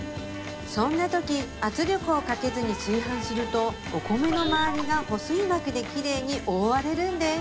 そんなとき圧力をかけずに炊飯するとお米の周りが保水膜できれいに覆われるんです